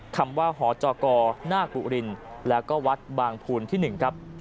คำว่าหจกหน้ากุรินแล้วก็วัดบางภูนที่๑ครับ